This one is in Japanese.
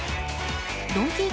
ドンキー